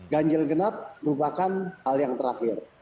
ganjil genap merupakan hal yang terakhir